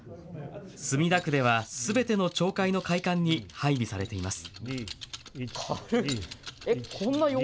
墨田区ではすべての町会の会館に配備されています。